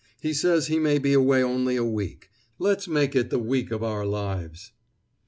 "He says he may be away only a week. Let's make it the week of our lives!"